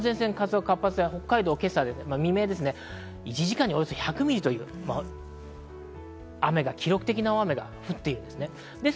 北海道は今朝未明、１時間におよそ１００ミリという記録的な大雨が降っているんです。